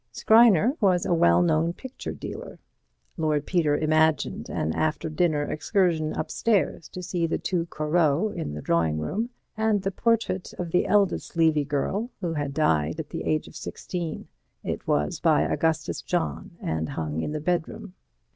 Skriner was a well known picture dealer; Lord Peter imagined an after dinner excursion upstairs to see the two Corots in the drawing room, and the portrait of the eldest Levy girl, who had died at the age of sixteen. It was by Augustus John, and hung in the bedroom.